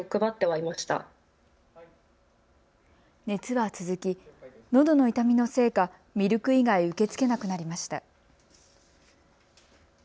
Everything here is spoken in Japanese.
熱は続き、のどの痛みのせいかミルク以外、受けつけなくなりました。